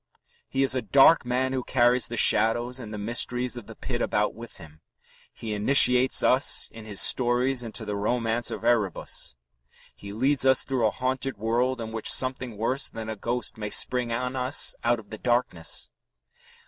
He is a dark man who carries the shadows and the mysteries of the pit about with him. He initiates us in his stories into the romance of Erebus. He leads us through a haunted world in which something worse than a ghost may spring on us out of the darkness.